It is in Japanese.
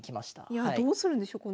いやあどうするんでしょう